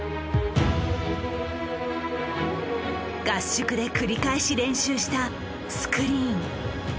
合宿で繰り返し練習したスクリーン。